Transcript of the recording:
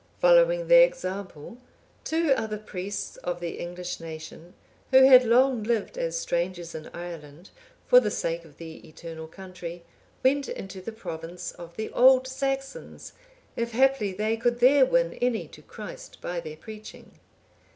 Following their example, two other priests of the English nation, who had long lived as strangers in Ireland, for the sake of the eternal country, went into the province of the Old Saxons, if haply they could there win any to Christ by their preaching.